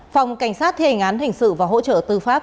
phòng cảnh sát thề hình án hình sự và hỗ trợ tư pháp